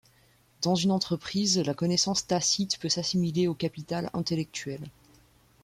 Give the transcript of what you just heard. Dans une entreprise, la connaissance tacite peut s'assimiler au capital intellectuel.